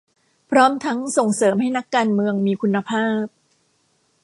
พร้อมทั้งส่งเสริมให้นักการเมืองมีคุณภาพ